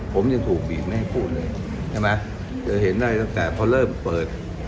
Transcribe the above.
ผมยังถูกบีบไม่ให้พูดเลยใช่ไหมจะเห็นได้ตั้งแต่พอเริ่มเปิด